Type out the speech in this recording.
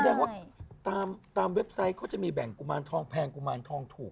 แสดงว่าตามเว็บไซต์เขาจะมีแบ่งกุมารทองแพงกุมารทองถูก